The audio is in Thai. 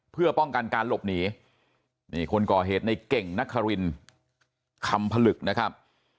เพื่อป้องกันการหลบหนีนี่คนก่อเหตุในเก่งนครินคำผลึกนะครับ